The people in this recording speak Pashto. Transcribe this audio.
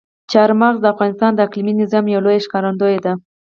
چار مغز د افغانستان د اقلیمي نظام یوه لویه ښکارندوی ده.